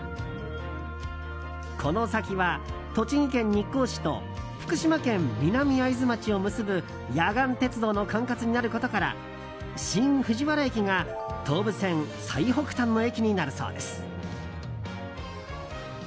この先は栃木県日光市と福島県南会津町を結ぶ野岩鉄道の管轄になることから新藤原駅が、東武線最北端の駅になるそうです。